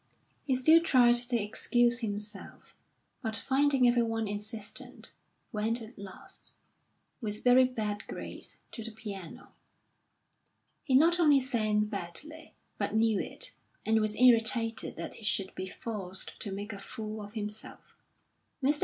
He still tried to excuse himself, but finding everyone insistent, went at last, with very bad grace, to the piano. He not only sang badly, but knew it, and was irritated that he should be forced to make a fool of himself. Mr.